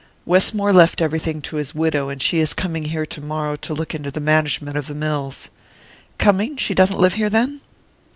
"Westmore left everything to his widow, and she is coming here to morrow to look into the management of the mills." "Coming? She doesn't live here, then?"